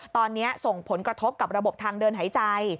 ตอนนี้ส่งผลกระทบกับระบบทางเดินหายใจ